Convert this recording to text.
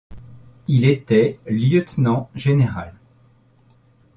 Il était Lieutenant-général.